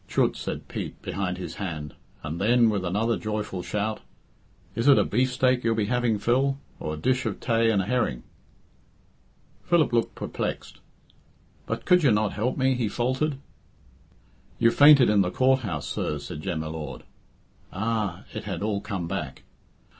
"Chut!" said Pete behind his hand, and then, with another joyful shout, "Is it a beefsteak you'll be having, Phil, or a dish of tay and a herring?" Philip looked perplexed. "But could you not help me " he faltered. "You fainted in the Court house, sir," said Jem y Lord. "Ah!" It had all come back.